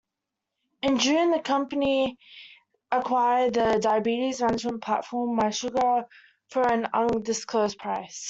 In June, the company acquired the diabetes management platform, mySugr for an undisclosed price.